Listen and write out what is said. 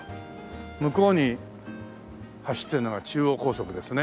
向こうに走ってるのが中央高速ですね。